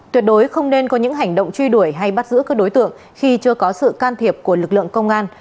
tuyệt đối không nên có những hành động truy đuổi hay bắt giữ các đối tượng khi chưa có sự can thiệp của lực lượng công an